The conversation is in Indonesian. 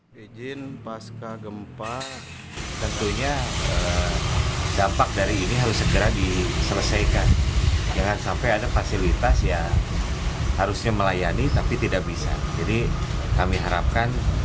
pemerintah setempat segera memperbaiki fasilitas umum yang terdampak gempa